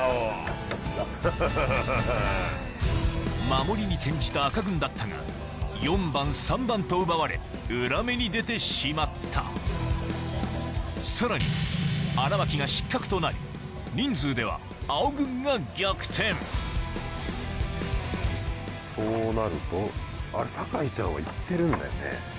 守りに転じた赤軍だったが４番３番と奪われ裏目に出てしまったさらに荒牧が失格となり人数では青軍が逆転そうなるとあれ酒井ちゃんは行ってるんだよね？